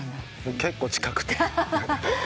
結構近くて。